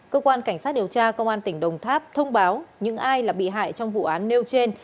cơ quan cảnh sát điều tra công an tỉnh đồng tháp thông báo những ai là bị hại trong vụ án nêu trên